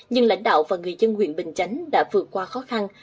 nhưng lãnh đạo và người dân huyện bình chánh đã vượt qua khó khăn